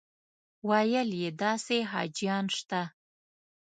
ویل یې داسې حاجیان شته.